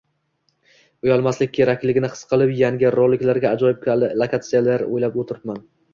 Uyalmaslik kerakligini his qilib yangi roliklarga ajoyib lokatsiyalar oʻylab oʻtiribman.